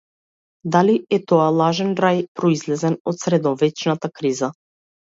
Дали е тоа лажен рај, произлезен од средовечната криза?